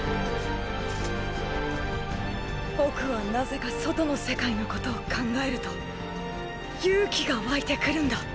僕はなぜか外の世界のことを考えると勇気が湧いてくるんだ。